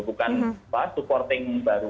bukan supporting bagi